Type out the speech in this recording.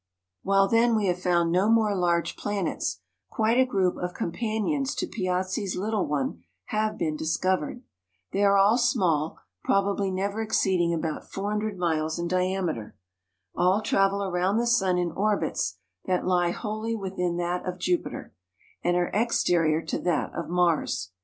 While, then, we have found no more large planets, quite a group of companions to Piazzi's little one have been discovered. They are all small, probably never exceeding about 400 miles in diameter. All travel around the sun in orbits that lie wholly within that of Jupiter and are exterior to that of Mars.